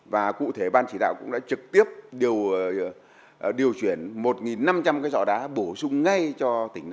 và cụ thể ban chỉ đạo cũng đã trực tiếp điều chuyển một năm trăm linh cái dọ đá bổ sung ngay cho tỉnh